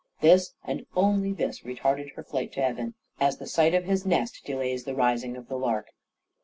This and only this retarded her flight to heaven, as the sight of his nest delays the rising of the lark.